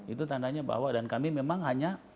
itu tandanya bahwa dan kami memang hanya